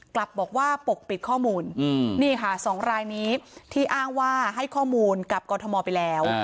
กลับบอกว่าปกปิดข้อมูลนี่ค่ะ๒รายนี้ที่อ้างว่าให้ข้อมูลกับกรทมไปแล้ว